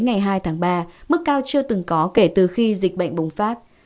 ngày hai tháng ba mức cao chưa từng có kể từ khi dịch bệnh bùng phát